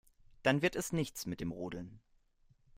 Dann wird es nichts mit dem Rodeln.